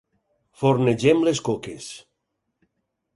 Fornegem les coques.